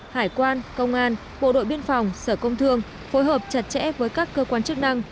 hải quan công an bộ đội biên phòng sở công thương phối hợp chặt chẽ với các cơ quan chức năng